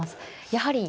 やはり。